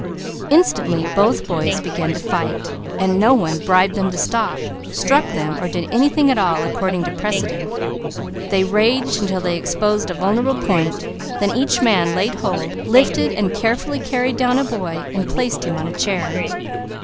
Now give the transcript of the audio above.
Instantly both boys began to fight. No one bribed them to stop, struck them, or did anything at all according to precedent. They raged until they exposed a vulnerable point, then each man laid hold, lifted and carefully carried down a boy, placing him on a chair.